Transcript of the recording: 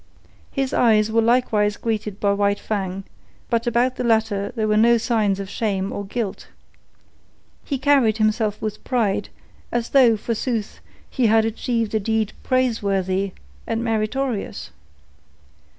His eyes were likewise greeted by White Fang, but about the latter there were no signs of shame nor guilt. He carried himself with pride, as though, forsooth, he had achieved a deed praiseworthy and meritorious.